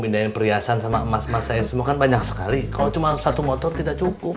pindahin perhiasan sama emas emas saya semua kan banyak sekali kalau cuma satu motor tidak cukup